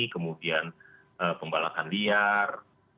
kemudian pembalasan liar